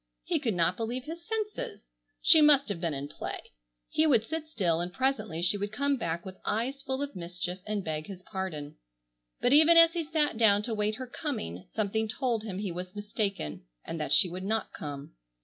He could not believe his senses! She must have been in play. He would sit still and presently she would come back with eyes full of mischief and beg his pardon. But even as he sat down to wait her coming, something told him he was mistaken and that she would not come.